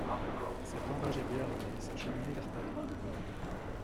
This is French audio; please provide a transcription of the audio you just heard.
Cet enragé Béarnais s'acheminait vers Paris.